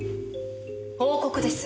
報告です。